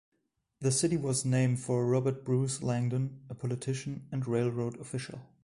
The city was named for Robert Bruce Langdon, a politician and railroad official.